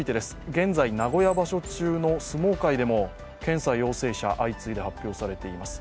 現在、名古屋場所中の相撲界でも検査陽性者、相次いで発表されています。